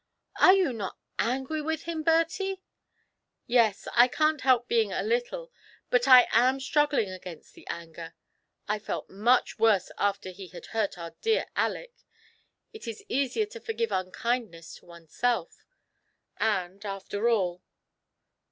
" Are you not angry with him, Bertie ?"" Yes ; I can't help being a little, but I am struggling against the anger. I felt much worse after he had hurt our dear Aleck. It is easier to forgive unkindness to one's self. And, after all.